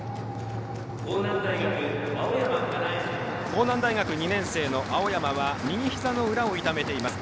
甲南大学２年生の青山は右ひざの裏を痛めています。